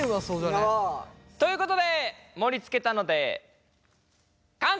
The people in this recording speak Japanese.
なあ。ということで盛り付けたので完成です。